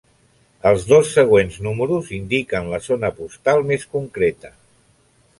Els dos següents números indiquen la zona postal més concreta.